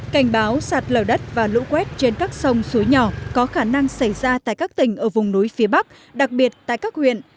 cảnh báo sạt lở đất và lũ quét trên các sông suối nhỏ có khả năng xảy ra tại các tỉnh ở vùng núi phía bắc đặc biệt tại các huyện